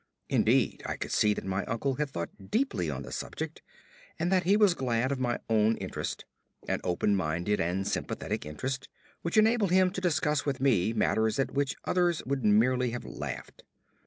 Indeed, I could see that my uncle had thought deeply on the subject, and that he was glad of my own interest an open minded and sympathetic interest which enabled him to discuss with me matters at which others would merely have laughed.